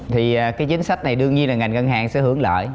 thì cái chính sách này đương nhiên là ngành ngân hàng sẽ hưởng lợi